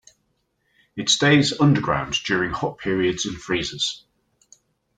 It stays underground during hot periods and freezes.